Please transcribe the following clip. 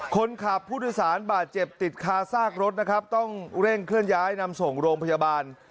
คนขับผู้โดยสารบาดเจ็บติดคาซากรถนะครับต้องเร่งเคลื่อนย้ายนำส่งโรงพยาบาล